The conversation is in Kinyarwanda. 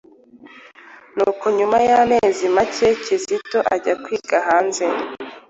nuko nyuma y'amezi macye Kizito ajya kwiga hanze.